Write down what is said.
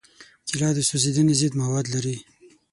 کېله د سوځېدنې ضد مواد لري.